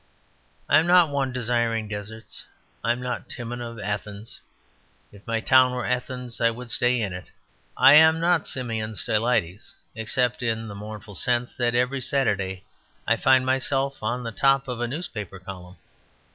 I am not one desiring deserts. I am not Timon of Athens; if my town were Athens I would stay in it. I am not Simeon Stylites; except in the mournful sense that every Saturday I find myself on the top of a newspaper column.